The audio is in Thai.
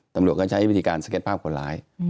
ตำรวจก็ใช้วิธีการสเก็ตภาพคนร้าย